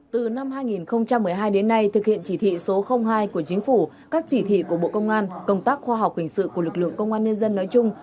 từ năm hai nghìn một mươi hai đến nay thực hiện chỉ thị số hai của chính phủ các chỉ thị của bộ công an công tác khoa học hình sự của lực lượng công an nhân dân nói chung